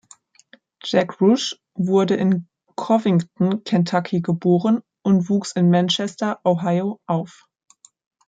Jack Roush wurde in Covington, Kentucky geboren und wuchs in Manchester, Ohio auf.